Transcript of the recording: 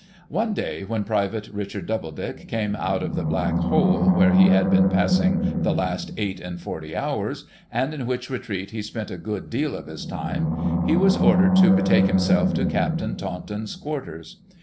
One day, when Private Richard Doubledick came out of the Black hole, where he had been passing the last eight and forty hours, and in which retreat he spent a good deal of his time, he was ordered to betake himself to Captain Taunton's quarters.